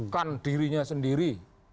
kan dirinya sendiri